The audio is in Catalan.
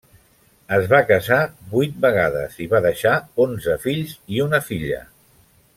Es va casar vuit vegades i va deixar onze fills i una filla.